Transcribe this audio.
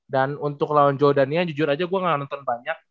dan untuk lawan joe dania jujur aja gue gak nonton banyak